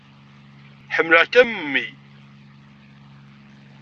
Ḥemmleɣ-k am mmi.